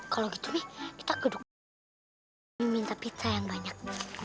kalau gitu nih kita kedukun minta pizza yang banyak